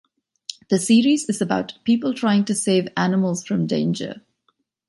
The series is about people trying to save animals from danger.